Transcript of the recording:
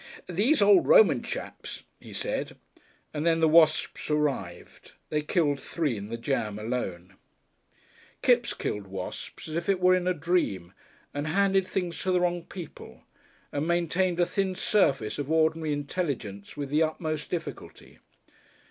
"These old Roman chaps," he said, and then the wasps arrived. They killed three in the jam alone. Kipps killed wasps, as if it were in a dream, and handed things to the wrong people, and maintained a thin surface of ordinary intelligence with the utmost difficulty.